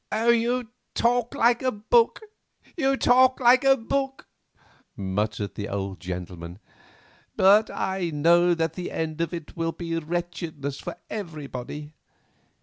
"You talk like a book—you talk like a book," muttered the old gentleman. "But I know that the end of it will be wretchedness for everybody.